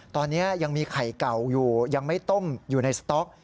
ตอนนี้ยังมีไข่เก่าอยู่ยังไม่ต้มอยู่ในสต๊อก